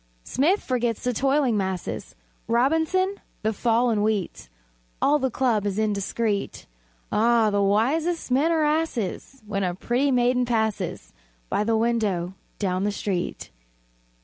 Smith forgets the "toiling masses," Robinson, the fall in wheat; All the club is indiscret. Ah, the wisest men are asses When a pretty maiden passes By the window down the street!